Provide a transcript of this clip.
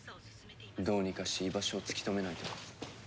どうにかして居場所を突き止めないとな。